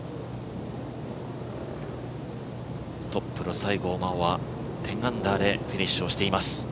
トップの西郷真央は１０アンダーでフィニッシュをしています。